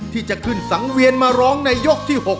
ที่จะขึ้นสังเวียนมาร้องในยกที่๖